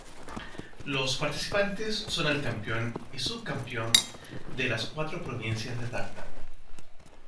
Los participantes son el Campeón y Subcampeón de las cuatro Provincias de Tacna.